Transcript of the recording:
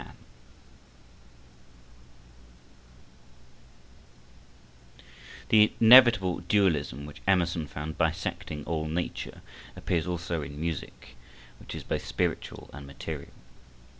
[Illustration: MOZART] The inevitable dualism which Emerson found bisecting all nature appears also in music, which is both spiritual and material.